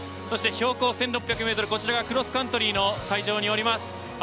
そして標高１６００ｍのクロスカントリーの会場におります。